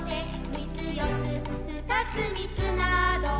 「みつよつ、ふたつみつなど」